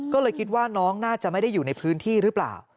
ก็เลยคิดว่าน้องน่าจะไม่ได้อยู่ในพื้นที่หรือเปล่า